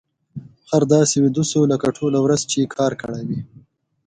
خر داسې ویده شو لکه ټولې ورځې يې کار کړی وي.